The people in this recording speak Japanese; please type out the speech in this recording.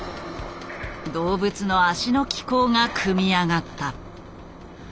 動物の脚の機構が組み上がった。